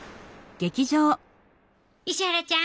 石原ちゃん。